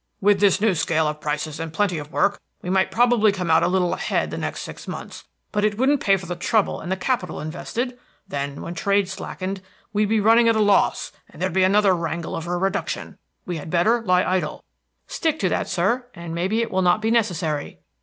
"With this new scale of prices and plenty of work, we might probably come out a little ahead the next six months; but it wouldn't pay for the trouble and the capital invested. Then when trade slackened, we should be running at a loss, and there'd be another wrangle over a reduction. We had better lie idle." "Stick to that, sir, and may be it will not be necessary."